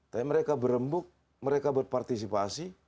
tapi mereka berembuk mereka berpartisipasi